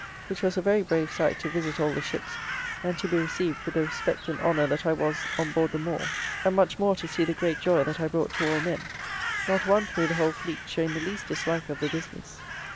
Which was a very brave sight to visit all the ships, and to be received with the respect and honour that I was on board them all; and much more to see the great joy that I brought to all men; not one through the whole fleet showing the least dislike of the business.